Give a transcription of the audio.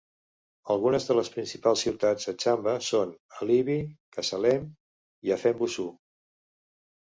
Algunes de les principals ciutats a Tchamba són Alibi, Kasaleym i Affem Boussou.